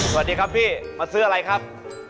สวัสดีครับพี่มาซื้ออะไรครับ